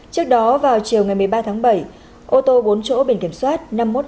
trước đó vào chiều ngày một mươi ba tháng bảy ô tô bốn chỗ bị kiểm soát